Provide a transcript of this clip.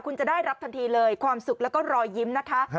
คุณจะได้รับทันทีเลยความสุขแล้วก็รอยยิ้มนะคะ